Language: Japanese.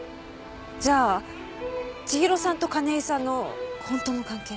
じゃあ千尋さんと金井さんの本当の関係は？